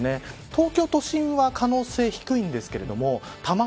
東京都心は可能性低いんですが多摩